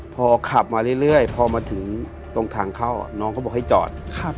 พอขับมาเรื่อยพอมาถึงตรงทางเข้าน้องเขาบอกให้จอด